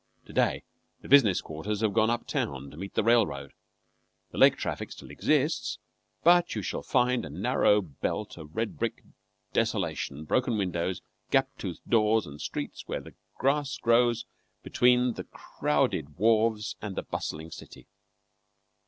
To day the business quarters have gone up town to meet the railroad; the lake traffic still exists, but you shall find a narrow belt of red brick desolation, broken windows, gap toothed doors, and streets where the grass grows between the crowded wharves and the bustling city.